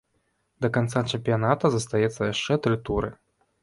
Да канца чэмпіяната застаецца яшчэ тры туры.